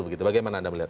bagaimana anda melihat